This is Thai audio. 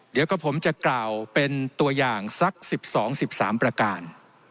เดี๋ยวก็ผมจะกล่าวเป็นตัวอย่างสักสิบสองสิบสามประการ